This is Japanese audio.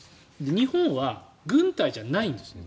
日本は軍隊じゃないんですね。